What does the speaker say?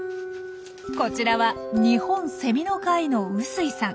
こちらは日本セミの会の碓井さん。